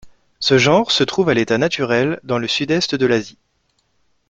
Ce genre se trouve à l'état naturel dans le Sud-Est de l'Asie.